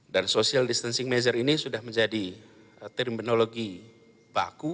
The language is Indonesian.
dan social distancing measure ini sudah menjadi terminologi baku